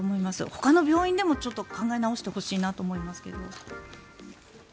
ほかの病院でもちょっと考え直してほしいなと思いますけど。